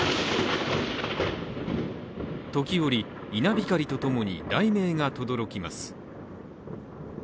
時折、稲光とともに雷鳴がとどろきます。